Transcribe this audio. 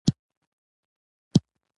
کتابچه کې زده کړه دوام کوي